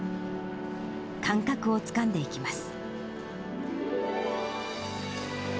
感覚をつかんでいきます。